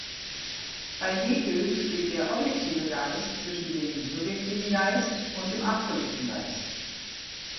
Bei Hegel steht der objektive Geist zwischen dem subjektiven Geist und dem absoluten Geist.